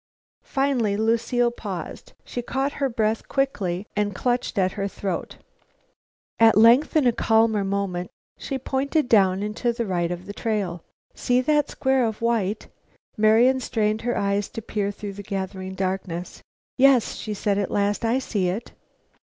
Finally Lucile paused. She caught her breath quickly and clutched at her throat. At length, in a calmer moment, she pointed down and to the right of the trail. "See that square of white?" Marian strained her eyes to peer through the gathering darkness. "Yes," she said at last, "I see it."